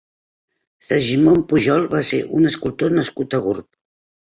Segimon Pujol va ser un escultor nascut a Gurb.